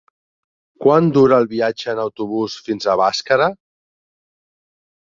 Quant dura el viatge en autobús fins a Bàscara?